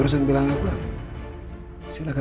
lagi mengcompasseni kita